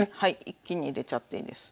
一気に入れちゃっていいです。